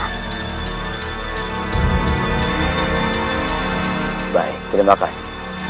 apakah tabib tahu